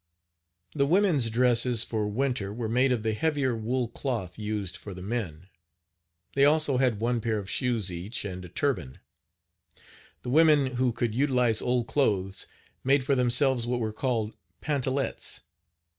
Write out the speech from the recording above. The women's dresses for winter were made of the heavier wool cloth used for the men. They also had one pair of shoes each and Page 42 a turban. The women who could utilize old clothes, made for themselves what were called pantalets.